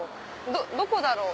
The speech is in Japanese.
どこだろう？